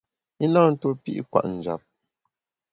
I na ntuo pi’ kwet njap.